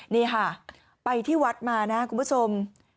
นี่ค่ะไปที่วัดมานะคุณผู้ชม